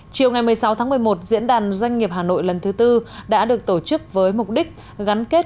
chiều ngày một mươi sáu tháng một mươi một diễn đàn doanh nghiệp hà nội lần thứ tư đã được tổ chức với mục đích gắn kết